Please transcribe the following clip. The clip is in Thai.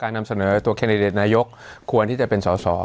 นำเสนอตัวแคนดิเดตนายกควรที่จะเป็นสอสอ